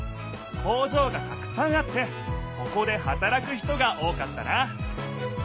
工場がたくさんあってそこではたらく人が多かったな。